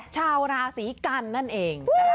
ชาวราศีกันนั่นเอง